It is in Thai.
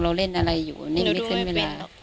เราเล่นอะไรอยู่นี่ไม่เคยเวลา